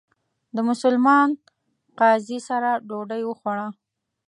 د مسلمان قاضي سره ډوډۍ وخوړه.